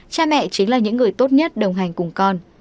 cha mẹ chính là những người tốt nhất đồng hành cùng con